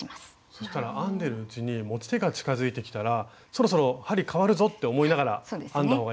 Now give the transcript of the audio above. そしたら編んでるうちに持ち手が近づいてきたらそろそろ針かわるぞって思いながら編んだ方がいいってことですね。